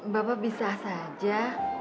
bapak bisa saja